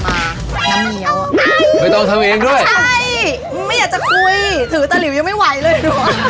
น้ำเหนียวอ่ะไม่ต้องทำเองด้วยใช่ไม่อยากจะคุยถือตะหลิวยังไม่ไหวเลย